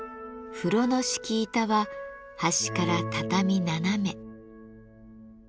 風炉の敷板は端から畳７目。